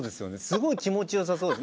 すごい気持ちよさそう。